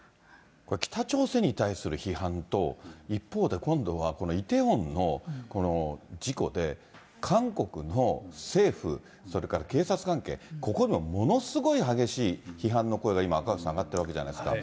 北朝鮮に対する批判と、一方で、今度はこのイテウォンの事故で、韓国の政府、それから警察関係、ここにもものすごい激しい批判の声が今、赤星さん、上がってるわけじゃないですか。